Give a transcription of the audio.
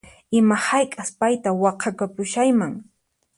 Ima hayk'as payta waqhakapushayman